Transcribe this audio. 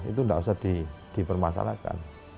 itu tidak usah dipermasalahkan